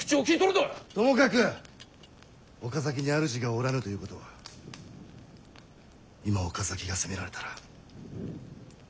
ともかく岡崎にあるじがおらぬということは今岡崎が攻められたら。